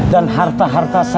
dan harta harta lainnya